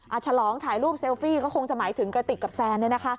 ฉลองถ่ายรูปเซลฟี่ก็คงจะหมายถึงกระติกกับแซน